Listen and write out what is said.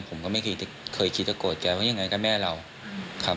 ผมก็ไม่เคยคิดจะโกรธแกว่ายังไงก็แม่เราครับ